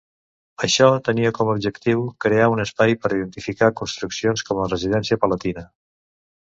Això tenia com a objectiu crear un espai per edificar construccions com la residència palatina.